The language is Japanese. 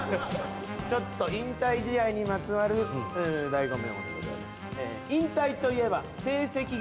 ちょっと引退試合にまつわる大悟ＭＥＭＯでございます。